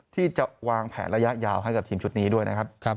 ที่จะวางแผนระยะยาวให้กับทีมชุดนี้ด้วยนะครับ